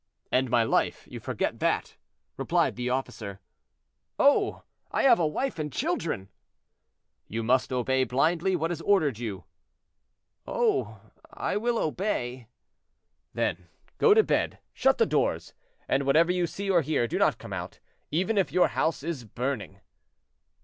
'" "'And my life,' you forget that," replied the officer. "Oh! I have a wife and children." "You must obey blindly what is ordered you." "Oh! I will obey." "Then go to bed, shut the doors, and whatever you see or hear, do not come out, even if your house is burning."